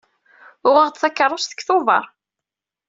Uɣeɣ-d takeṛṛust deg Tubeṛ.